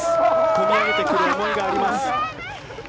込み上げてくる思いがあります。